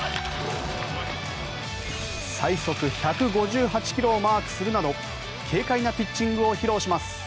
最速１５８ｋｍをマークするなど軽快なピッチングを披露します。